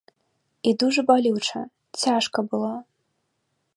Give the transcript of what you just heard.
І дужа балюча, цяжка было.